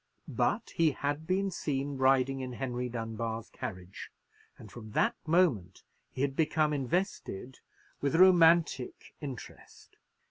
But he had been seen riding in Henry Dunbar's carriage, and from that moment he had become invested with a romantic interest.